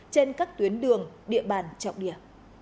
trên các tuyến đường địa bàn trọng địa